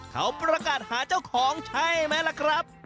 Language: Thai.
เขาประกาศหาเจ้าของใช่ไหมล่ะครับ